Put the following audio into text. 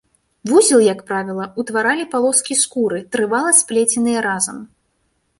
Вузел, як правіла, утваралі палоскі скуры, трывала сплеценыя разам.